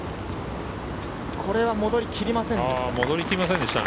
これは戻り切りませんでした。